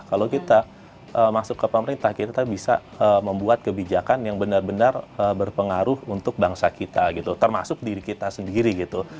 kalau kita masuk ke pemerintah kita bisa membuat kebijakan yang benar benar berpengaruh untuk bangsa kita gitu termasuk diri kita sendiri gitu